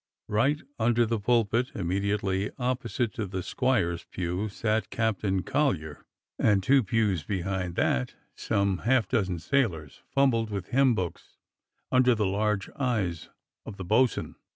Right under the pulpit, immediately opposite to the squire's pew, sat Captain Collyer, and two pews behind that some half dozen sailors fumbled with hymn books under the large eyes of the bo'sun.